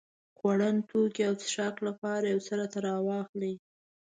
خوړن توکي او څښاک لپاره يو څه راته راواخلې.